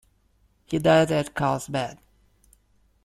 He died at Karlsbad.